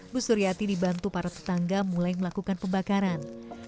bu suryati dibantu para tetangga mulai melakukan pembakaran